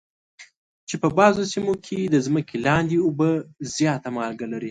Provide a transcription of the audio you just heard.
چې په بعضو سیمو کې د ځمکې لاندې اوبه زیاته مالګه لري.